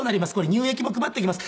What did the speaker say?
乳液も配っておきます。